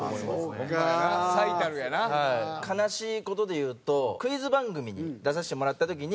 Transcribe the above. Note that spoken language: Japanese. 悲しい事で言うとクイズ番組に出させてもらった時に。